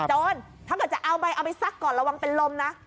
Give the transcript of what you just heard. โดนถ้าจะเอาไปซักก่อนระวังเป็นลมน่ะ